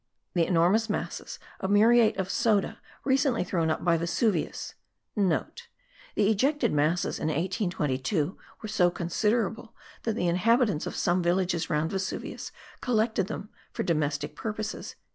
The enormous masses of muriate of soda recently thrown up by Vesuvius,* (* The ejected masses in 1822 were so considerable that the inhabitants of some villages round Vesuvius collected them for domestic purposes.)